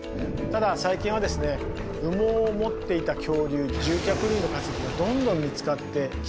ただ最近はですね羽毛を持っていた恐竜獣脚類の化石がどんどん見つかってきています。